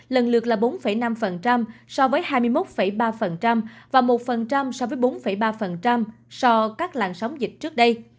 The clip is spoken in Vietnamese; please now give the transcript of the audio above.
lần lượt là bốn năm so với hai mươi một ba và một so với bốn ba so với các làn sóng dịch trước đây